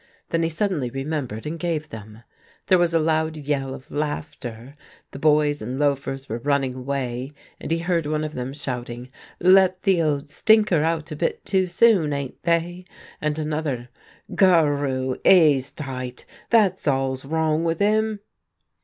Then he suddenly remembered and gave them. There was a loud yell of laughter ; the boys and loafers were running away, and he heard one of them shouting, ' Let the old stinker out a bit too soon, ain't they .''' and another, ' Garn ! 'E's tight — that's all's wrong with 'im.'